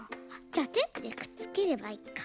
じゃテープでくっつければいいか。